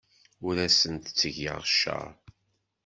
Ur asent-ttgeɣ cceṛ.